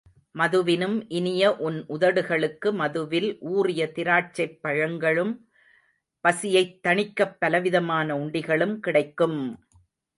மதுவினும் இனிய உன் உதடுகளுக்கு மதுவில் ஊறிய திராட்சைப் பழங்களும், பசியைத் தணிக்கப் பலவிதமான உண்டிகளும், கிடைக்கும்!